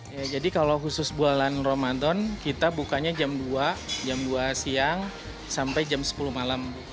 ya jadi kalau khusus bulan ramadan kita bukanya jam dua jam dua siang sampai jam sepuluh malam